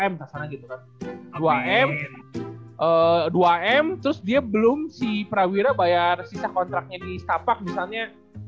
dua m dua m terus dia belum si perawiran bayar kontraknya di stapak misalnya